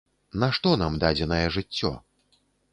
Нашто нам дадзенае жыццё?